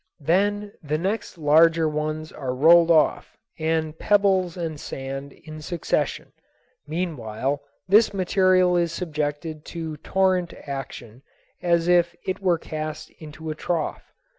Then the next larger ones are rolled off, and pebbles and sand in succession. Meanwhile this material is subjected to torrent action, as if it were cast into a trough.